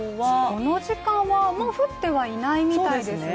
この時間はもう降ってはいないみたいですね。